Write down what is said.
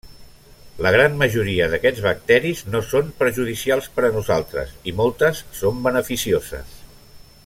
La gran majoria d'aquests bacteris no són perjudicials per a nosaltres, i moltes són beneficioses.